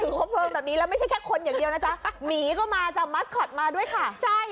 ครบเพลิงแบบนี้แล้วไม่ใช่แค่คนอย่างเดียวนะจ๊ะหมีก็มาจ้ะมัสคอตมาด้วยค่ะใช่